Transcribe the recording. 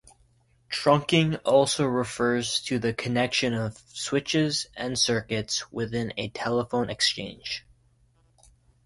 Trunking also refers to the connection of switches and circuits within a telephone exchange.